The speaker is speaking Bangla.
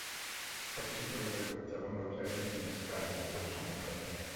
সবকিছুই পূর্বপরিকল্পিত এবং নভোচারীদের নিজ নিজ কাজ ধাপে ধাপে সম্পন্ন করতে হয়।